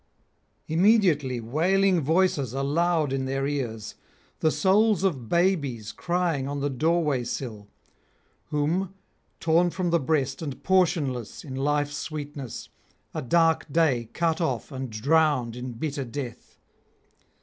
Immediately wailing voices are loud in their ears, the souls of babies crying on the doorway sill, whom, torn from the breast and portionless in life's sweetness, a dark day cut off and drowned in bitter death.